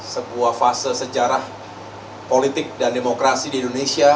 sebuah fase sejarah politik dan demokrasi di indonesia